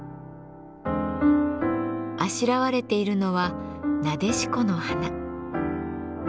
あしらわれているのはなでしこの花。